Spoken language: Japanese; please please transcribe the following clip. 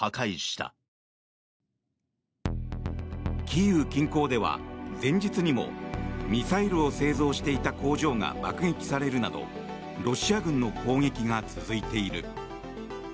キーウ近郊では前日にもミサイルを製造していた工場が爆撃されるなどロシア軍の攻撃が続いている。